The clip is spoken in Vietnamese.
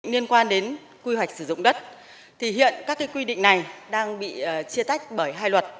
liên quan đến quy hoạch sử dụng đất thì hiện các quy định này đang bị chia tách bởi hai luật